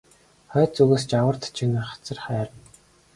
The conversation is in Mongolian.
Хойд зүгээс жавар тачигнаж хацар хайрна.